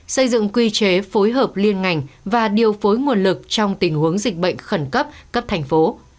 xây dựng quy chế phối hợp liên ngành và điều phối nguồn lực trong tình huống dịch bệnh khẩn cấp cấp thành phố